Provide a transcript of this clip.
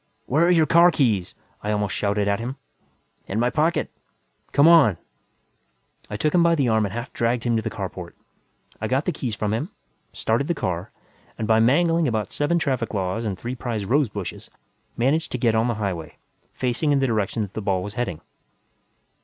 "Where are your car keys?" I almost shouted at him. "In my pocket." "Come on!" I took him by the arm and half dragged him to the carport. I got the keys from him, started the car, and by mangling about seven traffic laws and three prize rosebushes, managed to get on the highway, facing in the direction that the ball was heading.